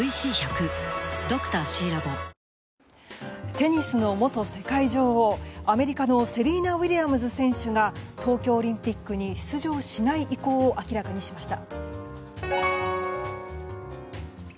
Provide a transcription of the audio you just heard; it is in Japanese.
テニスの元世界女王アメリカのセリーナ・ウィリアムズ選手が東京オリンピックに出場しない意向を明らかにしました。